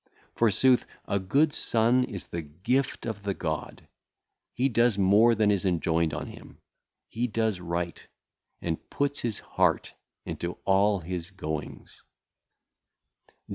Forsooth, a good son is of the gift of the God; he doeth more than is enjoined on him, he doeth right, and putteth his heart into all his goings.